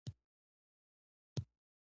د نولسمې پېړۍ په افریقا کې استعمار پیل شو.